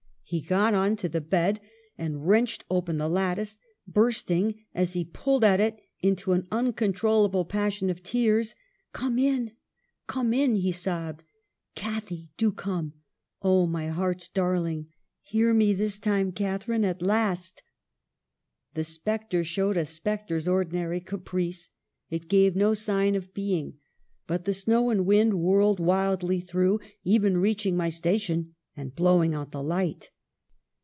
He got on to the bed, and wrenched open the lattice, bursting, as he pulled at it, into an uncontrol lable passion of tears. ' Come in ! come in !' he sobbed, 'Cathy, do come! Oh, my heart's dar ling ! hear me this time, Catharine, at last !' 232 EMILY BRONTE. The spectre showed a spectre's ordinary caprice : it gave no sign of being ; but the snow and wind whirled wildly through, even reaching my station, and blowing out the light.